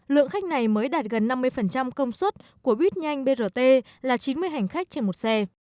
lượng khách này mới đạt gần năm mươi công suất của buýt nhanh brt là chín mươi hành khách trên một xe